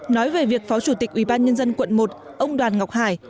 nói về việc phó chủ tịch ủy ban nhân dân quận một ông đoàn ngọc hải